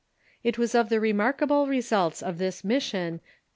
It was of the remarkable results of this mission that